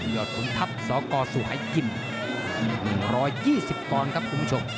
ยอดฝุ่นทัพสกสวัยกิน๑๒๐กรครับคุณผู้ชม